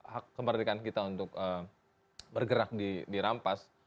hak kemerdekaan kita untuk bergerak dirampas